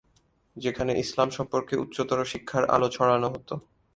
যেখানে ইসলাম সম্পর্কে উচ্চতর শিক্ষার আলো ছড়ানো হতো।